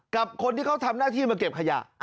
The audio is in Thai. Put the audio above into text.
กับคนที่เขาทำหน้าที่มาเก็บขยะ